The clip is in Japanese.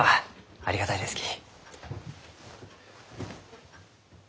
ありがたいですき。